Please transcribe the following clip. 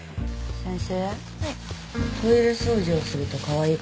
先生。